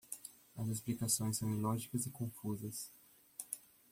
As explicações são ilógicas e confusas.